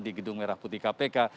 di gedung merah putih kpk